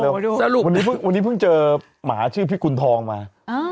โอ้โหวันนี้เพิ่งเจอหมาชื่อพี่คุณทองมา